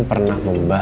ya udah keluar